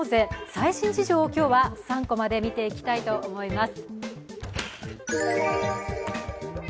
最新事情を今日は３コマで見ていきたいと思います。